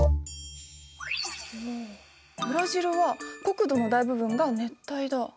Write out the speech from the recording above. ブラジルは国土の大部分が熱帯だ。